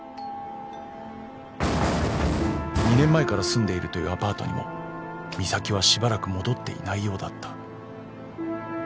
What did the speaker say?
・［２年前から住んでいるというアパートにも美咲はしばらく戻っていないようだった］